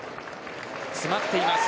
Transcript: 詰まっています。